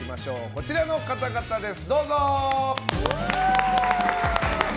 こちらの方々です！